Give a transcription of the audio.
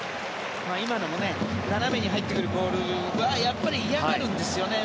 今のも斜めに入ってくるボールはやっぱり嫌がるんですよね。